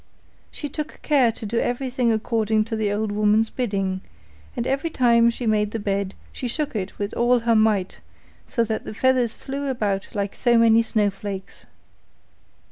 She took care to do everything according to the old woman's bidding and every time she made the bed she shook it with all her might, so that the feathers flew about like so many snowflakes.